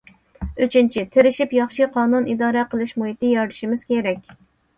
ئۈچىنچى، تىرىشىپ ياخشى قانۇن ئىدارە قىلىش مۇھىتى يارىتىشىمىز كېرەك.